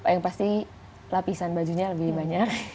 yang pasti lapisan bajunya lebih banyak